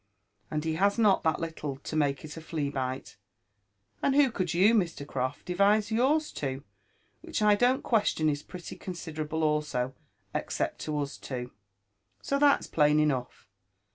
— and he has not that Utile to make it a flea bite. And who could you, Air. Croft, devise yours to — which I donH question is pretty considerable also — except to us two? So that's plain enough.